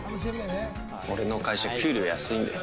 俺の会社、給料安いんだよ。